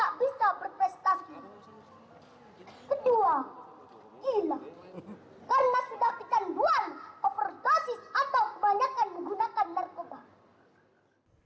karena sudah kecanduan overdosis atau kebanyakan menggunakan narkoba